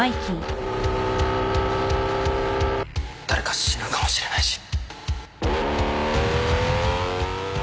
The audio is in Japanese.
誰か死ぬかもしれないし